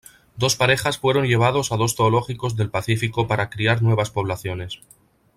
Dos parejas fueron llevados a dos zoológicos del Pacífico para criar nuevas poblaciones.